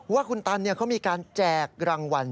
ว่าคุณตันเขามีการแจกรางวัล